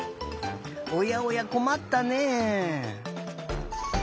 おやおやこまったねえ。